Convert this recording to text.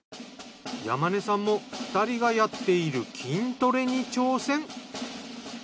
山根さんも２人がやっている筋トレに挑戦。